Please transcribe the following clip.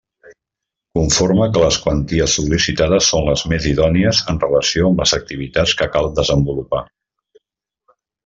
Conforme que les quanties sol·licitades són les més idònies en relació amb les activitats que cal desenvolupar.